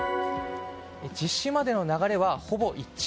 実施までの流れは、ほぼ一致。